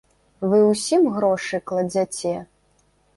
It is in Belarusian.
Вы усім грошы кладзяце?